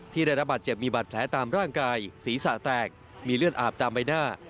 ได้รับบาดเจ็บมีบาดแผลตามร่างกายศีรษะแตกมีเลือดอาบตามใบหน้า